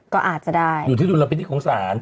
ก็อาจจะได้อยู่ที่ธุรกิจของศาล